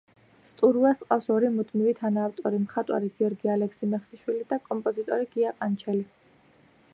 სტურუას ჰყავს ორი მუდმივი თანაავტორი: მხატვარი გიორგი ალექსი-მესხიშვილი და კომპოზიტორი გია ყანჩელი.